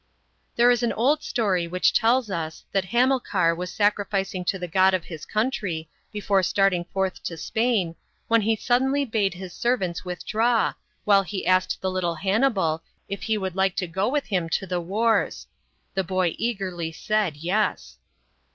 There is an old story, which tells us, that Hamil car was sacrificing to the god of his country, before starting forth to Spain, when he suddenly bade his servants withdraw, while he asked the little Hannibal, if he would like to go with him to the wars. The boy eagerly said " Yes."